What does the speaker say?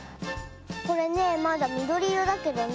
これねまだみどりいろだけどね。